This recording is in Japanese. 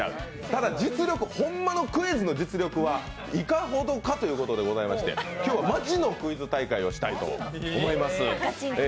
ただホンマのクイズの実力はいかほどかということでございまして今日はマジのクイズ大会したいと思います。